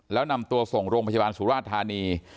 แล้วนำตัวส่งโรงพยาบาลสุราชธานี